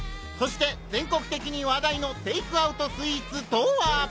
そして全国的に話題の「テイクアウトスイーツ」とは！？